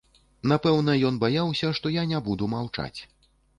Напэўна, ён баяўся, што я не буду маўчаць.